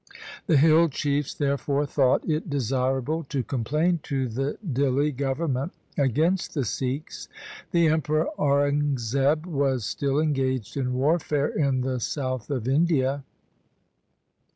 The hill chiefs therefore thought it desirable to complain to the Dihli government against the Sikhs. The Emperor Aurangzeb was still engaged in warfare in the south of India.